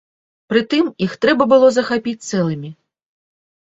Прытым, іх трэба было захапіць цэлымі.